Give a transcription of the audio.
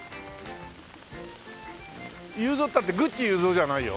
ゆうぞうったってグッチ裕三じゃないよ。